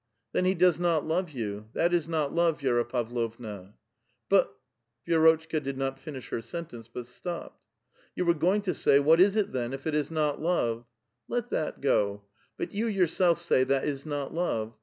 *'Then he does not love you. That is not love, Vi6ra Pavlovna." *'But —" Vi^rotchka did not finish her sentence, but stopped. "You were going to say, 'What is it, then, if it is not love V Let that go ; but you yourself sa\* that is not love.